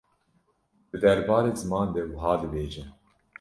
di derbarê ziman de wiha dibêje.